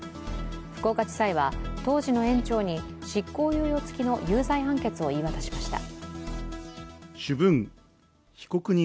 福岡地裁は当時の園長に執行猶予つきの有罪判決を言い渡しました。